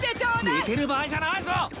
寝てる場合じゃないぞ！